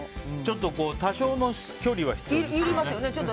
多少の距離は必要だけどね。